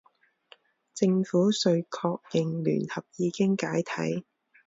政府遂确认联合已经解体。